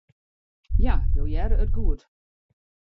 Ja, jo hearre it goed.